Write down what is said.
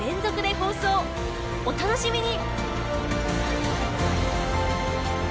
お楽しみに！